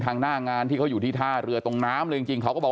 หน้างานที่เขาอยู่ที่ท่าเรือตรงน้ำเลยจริงเขาก็บอก